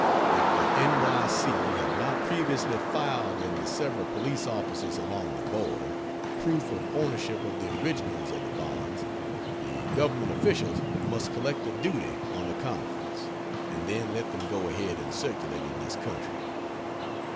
If the N. Y. C. have not previously filed in the several police offices along the border, proof of ownership of the originals of the bonds, the government officials must collect a duty on the counterfeits, and then let them go ahead and circulate in this country.